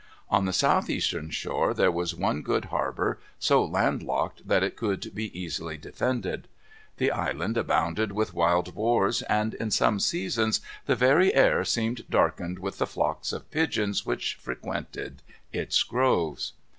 On the southeastern shore there was one good harbor, so landlocked that it could be easily defended. The island abounded with wild boars, and at some seasons, the very air seemed darkened with the flocks of pigeons which frequented its groves.